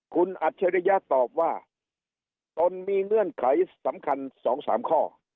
คุณอัจฉริยะตอบว่าตนมีเงื่อนไขสำคัญ๒๓ข้อ